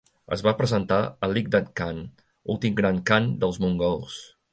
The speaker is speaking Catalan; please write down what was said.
Es va presentar a Ligdan Khan, últim gran khan dels mongols.